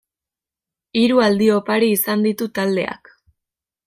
Hiru aldi oparo izan ditu taldeak.